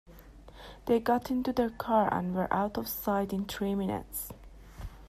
They got into their car and were out of sight in three minutes.